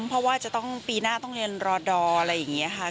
เพราะว่าจะต้องปีหน้าต้องเรียนรอดอร์อะไรอย่างนี้ค่ะ